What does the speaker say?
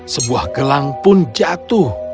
sebuah gelang pun jatuh